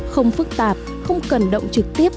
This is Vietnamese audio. không phức tạp không cần động trực tiếp